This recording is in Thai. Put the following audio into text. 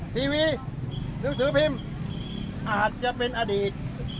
ทีวีหนังสือพิมพ์อาจจะเป็นอดีต